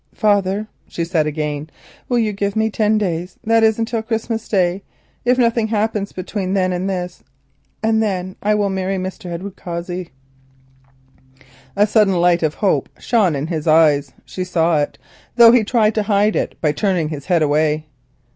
"Father," she said again, "will you give me ten days, that is, until Christmas Day? If nothing happens between this and then I will marry Mr. Edward Cossey." A sudden light of hope shone in his eyes. She saw it, though he tried to hide it by turning his head away.